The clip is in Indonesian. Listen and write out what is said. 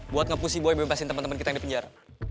buat ngepun si boy bebasin temen temen kita yang dipenjar